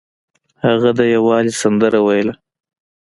هغه د یووالي سندره ویله.